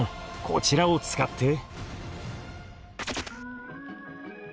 こちらを使って。